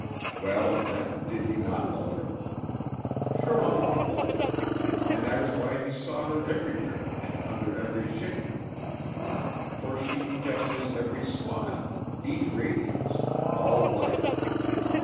Well, then, he did not love her? Surely he loved her; and that is why he saw her everywhere and under every shape. For she just is every smile, each radiance, all life.